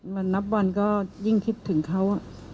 วันนับวันก็ยิ่งคิดถึงเขา